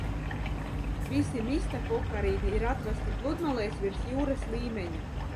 Visi mistakokarīdi ir atrasti pludmalēs virs jūras līmeņa.